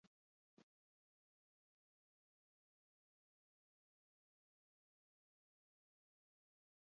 চারদিকের bunker থেকে তারা মুক্তিযোদ্ধাদের ওপর বৃষ্টির মতো গুলি শুরু করে।